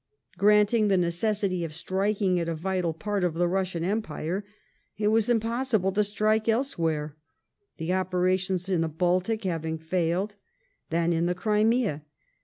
Granting the necessity of striking at a vital part of the Russian Empire, it was impossible to strike elsewhere, the opera tions in the Baltic having failed, than in the Crimea.